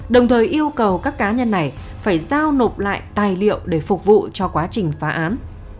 đồng thời yêu cầu các cá nhân này phải giao nộp lại tài liệu để phục vụ cho quá trình phá án